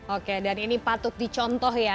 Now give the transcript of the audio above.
oke dan ini patut dicontoh ya